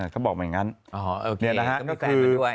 เขาบอกมาอย่างงั้นนี่นะฮะก็คือ